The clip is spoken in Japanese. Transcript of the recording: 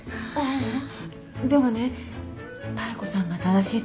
でもね妙子さんが正しいと思う。